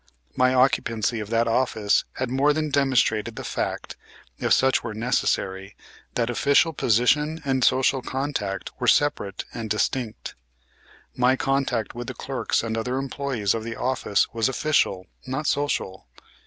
My occupancy of that office had more than demonstrated the fact, if such were necessary, that official position and social contact were separate and distinct. My contact with the clerks and other employees of the office was official, not social.